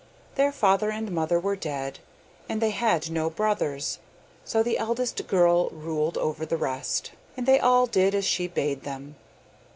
Their father and mother were dead, and they had no brothers, so the eldest girl ruled over the rest, and they all did as she bade them.